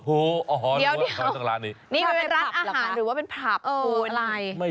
โอ้โหอ๋อรู้หรือเปล่าทั้งร้านนี้นี่เป็นร้านอาหารหรือเป็นผับหรืออะไร